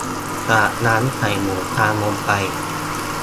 จากนั้นใส่หมูตามลงไป